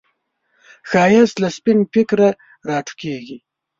ښایست له سپین فکره راټوکېږي